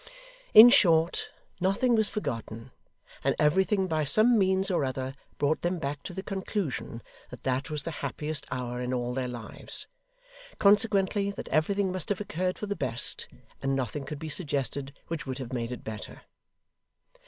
In short, nothing was forgotten; and everything by some means or other brought them back to the conclusion, that that was the happiest hour in all their lives; consequently, that everything must have occurred for the best, and nothing could be suggested which would have made it better.